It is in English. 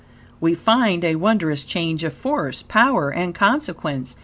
we find a wondrous change of force, power, and consequence.